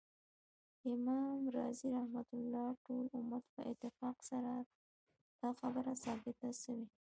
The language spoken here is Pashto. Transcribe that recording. امام رازی رحمه الله : ټول امت په اتفاق سره دا خبره ثابته سوی